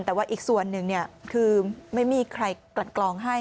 แต่ว่าอีกส่วนหนึ่งคือไม่มีใครกลัดกลองให้